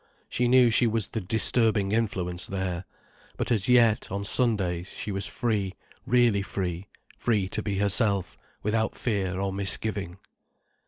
She knew she was the disturbing influence there. But as yet, on Sundays, she was free, really free, free to be herself, without fear or misgiving.